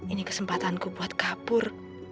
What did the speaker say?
ini kesempatan ku buat kabur